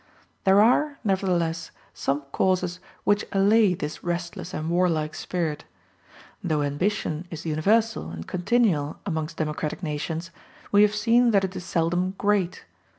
There are, nevertheless, some causes which allay this restless and warlike spirit. Though ambition is universal and continual amongst democratic nations, we have seen that it is seldom great.